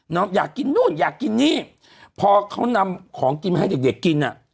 อยากกินนู่นอยากกินนี่พอเขานำของกินมาให้เด็กเด็กกินอ่ะ